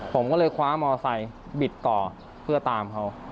ผมก็เลยคว้ามอไซค์บิดต่อเพื่อตามเขา